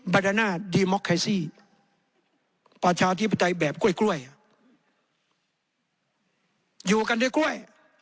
ประชาธิปไตยแบบกล้วยกล้วยอยู่กันด้วยกล้วย